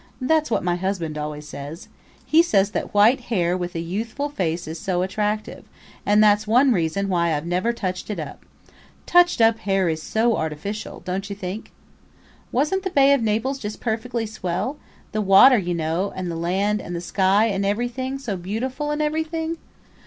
That's what my husband always says. He says that white hair with a youthful face is so attractive, and that's one reason why I've never touched it up. Touched up hair is so artificial, don't you think?" ... "Wasn't the Bay of Naples just perfectly swell the water, you know, and the land and the sky and everything, so beautiful and everything?"